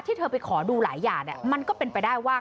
เธอไปขอดูหลายอย่างเนี่ยมันก็เป็นไปได้ว่า